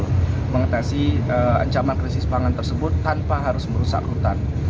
untuk mengatasi ancaman krisis pangan tersebut tanpa harus merusak hutan